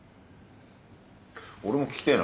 俺も聞きてえな。